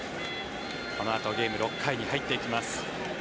このあとゲーム６回に入っていきます。